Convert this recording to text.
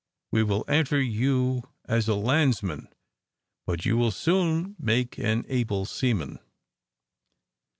We will enter you as a landsman; but you will soon make an able seaman."